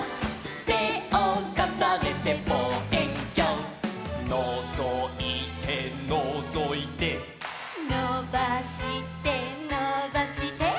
「てをかさねてぼうえんきょう」「のぞいてのぞいて」「のばしてのばして」